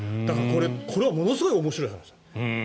これはものすごい面白い話。